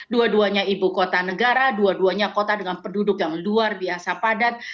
dua duanya ibu kota negara dua duanya kota dengan penduduk yang luar biasa padat